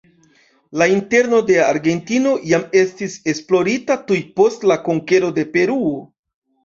La interno de Argentino jam estis esplorita tuj post la konkero de Peruo.